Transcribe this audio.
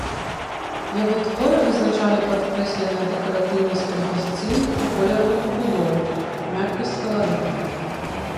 Яго творы вызначалі падкрэсленая дэкаратыўнасць кампазіцыйных і колеравых пабудоў, мяккасць каларыту.